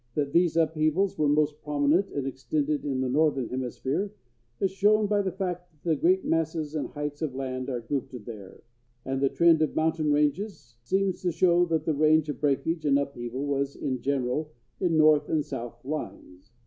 That these upheavals were most prominent and extended in the northern hemisphere is shown by the fact that the great masses and heights of land are grouped there; and the trend of mountain ranges seems to show that the range of breakage and upheaval was in general in north and south lines.